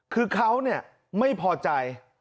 คือเขาเนี่ยไม่พอใจ